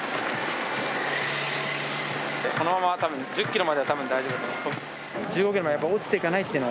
このままたぶん１０キロまではたぶん大丈夫だと思う。